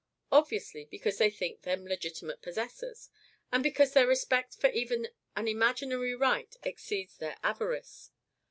Obviously, because they think them legitimate possessors, and because their respect for even an imaginary right exceeds their avarice.